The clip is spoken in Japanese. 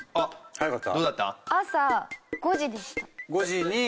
早かった？